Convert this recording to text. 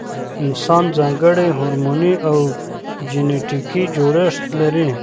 انسان ځانګړی هورموني او جنټیکي جوړښت لري.